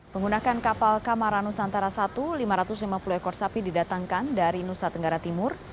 menggunakan kapal kamaranus antara satu lima ratus lima puluh ekor sapi didatangkan dari nusa tenggara timur